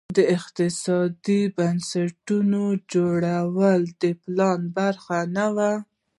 د اقتصادي بنسټونو جوړول د پلان برخه نه وه.